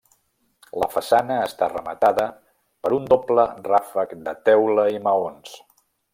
La façana està rematada per un doble ràfec de teula i maons.